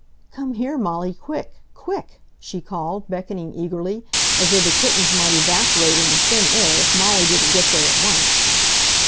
"Come here, Molly, quick! QUICK!" she called, beckoning eagerly, as though the kittens might evaporate into thin air if Molly didn't get there at once.